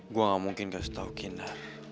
gua gak mungkin kasih tau kinar